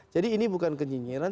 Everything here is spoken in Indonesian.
jadi ini bukan kenyinyiran